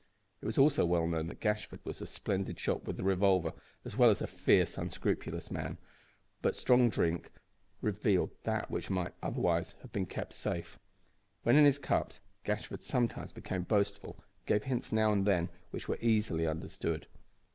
It was also well known that Gashford was a splendid shot with the revolver, as well as a fierce, unscrupulous man. But strong drink revealed that which might have otherwise been safe. When in his cups Gashford sometimes became boastful, and gave hints now and then which were easily understood.